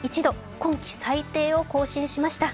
今季最低を更新しました。